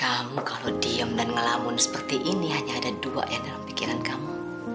kamu kalau diem dan ngelamun seperti ini hanya ada dua ya dalam pikiran kamu